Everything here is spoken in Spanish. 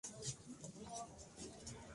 De ahí el apodo.